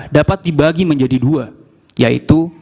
dapat dibagi menjadi dua yaitu